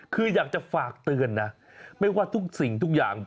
คืออยากจะฝากเตือนนะไม่ว่าทุกสิ่งทุกอย่าง